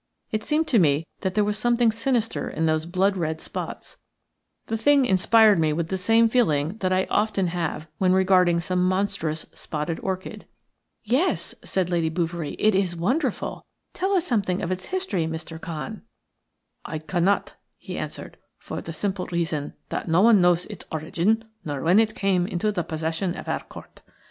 It seemed to me that there was something sinister in those blood red spots. The thing inspired me with the same feeling that I often have when regarding some monstrous spotted orchid. "LOOK CLOSELY AT IT IF YOU WILL, BUT I MUST ASK NONE OF YOU TO TOUCH IT." "Yes," said Lady Bouverie, "it is wonderful. Tell us something of its history, Mr. Khan." "I cannot," he answered, "for the simple reason that no one knows Its origin nor when it came into the possession of our Court.